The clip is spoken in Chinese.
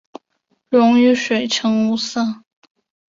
溶于水呈无色。